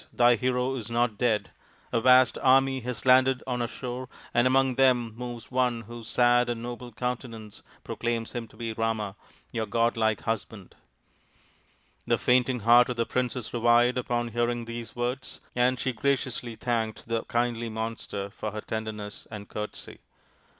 Thy hero is not dead. A vast army has landed on our shore, and among them moves one whose sad and noble countenance proclaims him to be Rama, your godlike husband/' The fainting heart of the princess revived upon RAMA'S QUEST 41 .earing these words, and she graciously thanked the indly monster for her tenderness and courtesy.